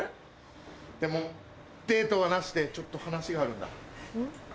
でもデートはなしでちょっと話があるんだ。